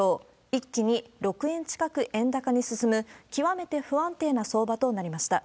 一気に６円近く円高に進む、極めて不安定な相場となりました。